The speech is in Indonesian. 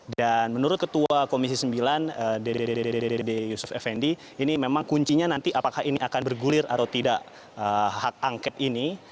dan menurut ketua komisi sembilan dddd yusuf effendi ini memang kuncinya nanti apakah ini akan bergulir atau tidak hak angket ini